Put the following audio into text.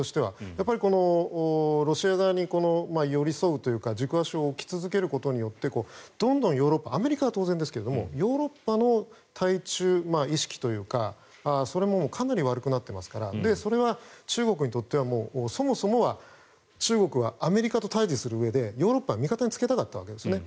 やっぱりロシア側に寄り添うというか軸足を置き続けることによってどんどんヨーロッパアメリカは当然ですがヨーロッパの対中意識というかそれはかなり悪くなってますからそれは中国にとってはそもそもが中国はアメリカと対峙するうえでヨーロッパを味方につけたかったんですね。